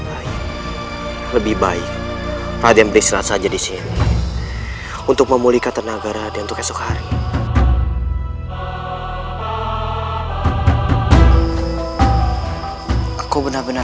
kamu bukan penjahat kamu bukan kesediakan